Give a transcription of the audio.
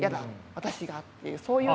私が」っていうそういうタイプ。